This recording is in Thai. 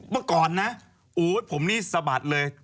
เมื่อก่อนนะโอ๊ตผมนี่สะบัดเลย